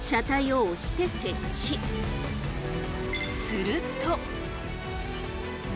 すると。